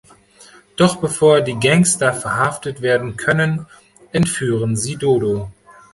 Doch bevor die Gangster verhaftet werden können, entführen sie Dodo.